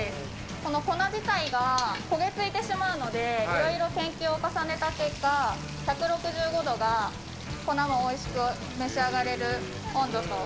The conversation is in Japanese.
この粉自体が焦げついてしまうので、いろいろ研究を重ねた結果、１６５度が粉もおいしく召し上がれる温度と。